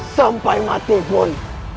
sampai mati pun